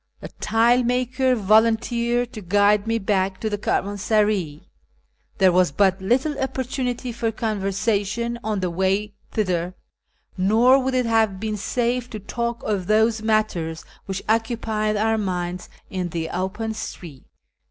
The tile maker volun teered to guide me back to the caravansaray. There was but little opi^ortunity for conversation on the way thither, nor would it have been safe to talk of those matters which occu pied our minds in the open street.